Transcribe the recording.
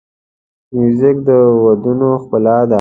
موزیک د ودونو ښکلا ده.